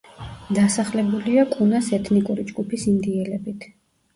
დასახლებულია კუნას ეთნიკური ჯგუფის ინდიელებით.